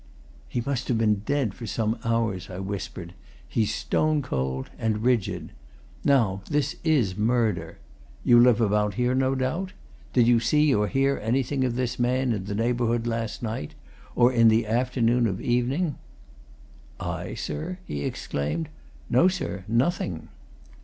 "He must have been dead for some hours," I whispered. "He's stone cold and rigid. Now, this is murder! You live about here, no doubt? Did you see or hear anything of this man in the neighbourhood last night or in the afternoon or evening?" "I, sir?" he exclaimed. "No, sir nothing!"